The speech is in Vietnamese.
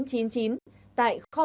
tên tài khoản